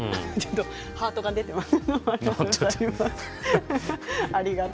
ハートが出ている。